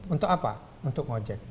untuk apa untuk mojek